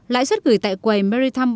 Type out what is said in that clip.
lãi suất gửi tại quầy maritime bank